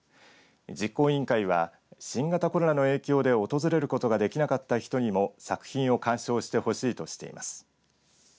実行委員会は新型コロナの影響で訪れることができなかった人にも作品を鑑賞してほしいとしています。